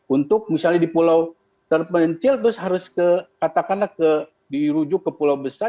untuk misalnya di pulau terpencil terus harus ke katakanlah dirujuk ke pulau besar